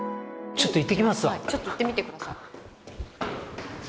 ちょっと行ってみて下さい。